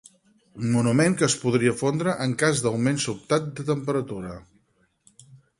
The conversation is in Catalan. Monument que es podria fondre en cas d'augment sobtat de temperatura.